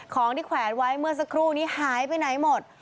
ของที่แขวนไว้เมื่อสักครู่นี้หายไปไหนหมด